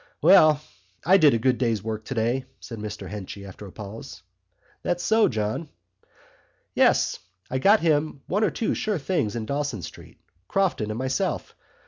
"Well, I did a good day's work today," said Mr Henchy, after a pause. "That so, John?" "Yes. I got him one or two sure things in Dawson Street, Crofton and myself.